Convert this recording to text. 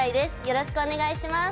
よろしくお願いします。